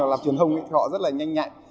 làm truyền thông thì họ rất là nhanh nhạy